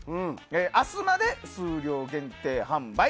明日まで数量限定販売。